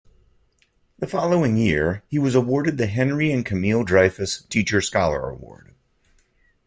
The following year, he was awarded the Henry and Camile Dreyfus Teacher-Scholar award.